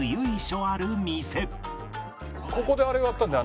ここであれをやったんだよ。